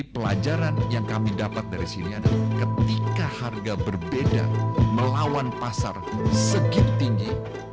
pelajaran yang kami dapat dari sini adalah ketika harga berbeda melawan pasar segitu tinggi